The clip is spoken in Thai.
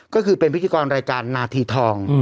ก็คือเป็นพิธีกรรายการนาทีทอง